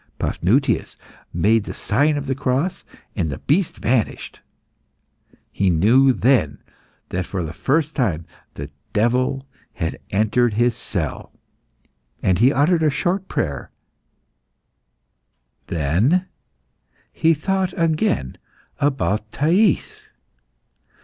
Paphnutius made the sign of the cross and the beast vanished. He knew then that, for the first time, the devil had entered his cell, and he uttered a short prayer; then he thought again about Thais.